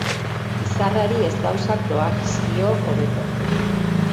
Izarrari ez gauzak doakizkio hobeto.